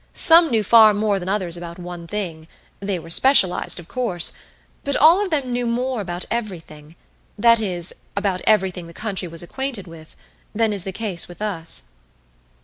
Some knew far more than others about one thing they were specialized, of course; but all of them knew more about everything that is, about everything the country was acquainted with than is the case with us.